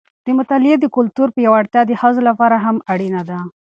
د مطالعې د کلتور پیاوړتیا د ښځو لپاره هم اړینه ده.